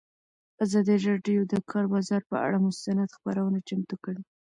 ازادي راډیو د د کار بازار پر اړه مستند خپرونه چمتو کړې.